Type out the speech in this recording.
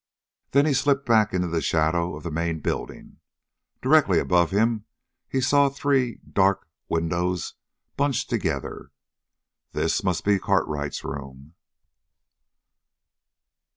Then he slipped back into the shadow of the main building. Directly above him he saw three dark windows bunched together. This must be Cartwright's room.